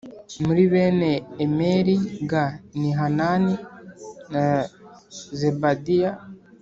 Muri bene Imeri g ni Hanani na Zebadiya